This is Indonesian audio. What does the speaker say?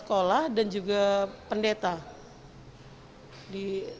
sekolah dan juga pendeta di sekolah galilea